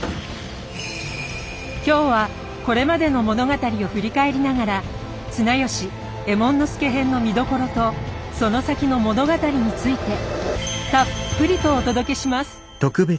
今日はこれまでの物語を振り返りながら綱吉・右衛門佐編の見どころとその先の物語についてたっぷりとお届けします。